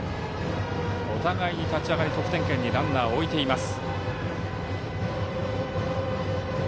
お互いに立ち上がり得点圏にランナーを置いています。